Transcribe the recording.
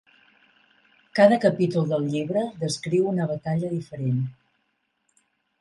Cada capítol del llibre descriu una batalla diferent.